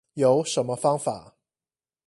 有什麼方法